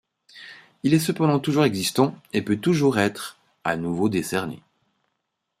Il est cependant toujours existant et peut toujours être à nouveau décerné.